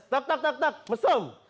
tak tak tak tak mesum